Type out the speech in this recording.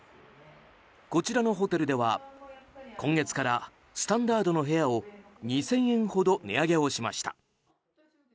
こちらのホテルでは今月からスタンダードの部屋を２０００円ほど値上げをしました。